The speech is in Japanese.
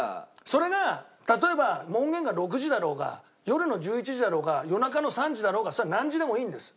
それが例えば門限が６時だろうが夜の１１時だろうが夜中の３時だろうがそれは何時でもいいんです。